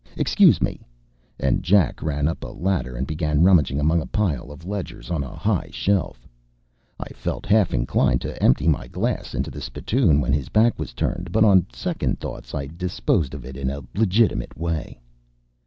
Excuse me!" And Jack ran up a ladder and began rummaging among a pile of ledgers on a high shelf. I felt half inclined to empty my glass into the spittoon when his back was turned; but on second thoughts I disposed of it in a legitimate way.